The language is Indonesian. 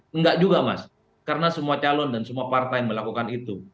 enggak juga mas karena semua calon dan semua partai melakukan itu